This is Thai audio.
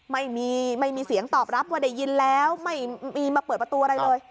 ไม่มีไม่มีเสียงตอบรับว่าได้ยินแล้วไม่มีมาเปิดประตูอะไรเลย